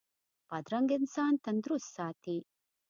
بادرنګ انسان تندرست ساتي.